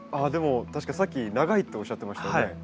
あでも確かさっき長いっておっしゃってましたよね。